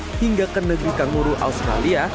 daun pisang hingga ke negeri kanguru australia